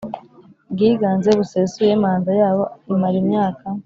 bwiganze busesuye Manda yabo imara imyaka